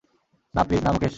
না প্লিজ, না মুকেশ।